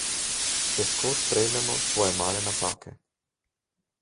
Težko sprejmemo svoje male napake.